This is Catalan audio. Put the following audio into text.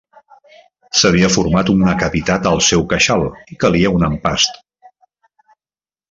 S'havia format una cavitat al seu queixal i calia un empast.